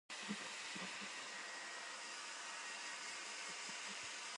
張持